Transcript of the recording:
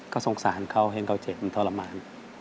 ก็สงสารเขาเห็นเขาเจ็บมันทรมาน